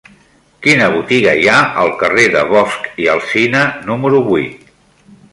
Quina botiga hi ha al carrer de Bosch i Alsina número vuit?